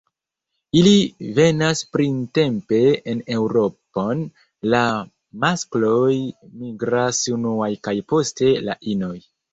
Ili venas printempe en Eŭropon; la maskloj migras unuaj kaj poste la inoj.